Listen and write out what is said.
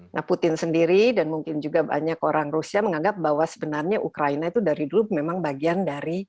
nah putin sendiri dan mungkin juga banyak orang rusia menganggap bahwa sebenarnya ukraina itu dari dulu memang bagian dari